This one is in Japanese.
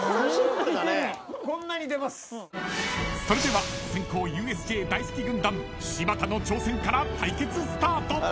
［それでは先攻ＵＳＪ大好き軍団柴田の挑戦から対決スタート］